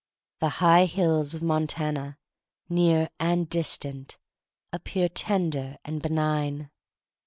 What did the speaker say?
The high hills of Montana, near and distant, appear tender and benign.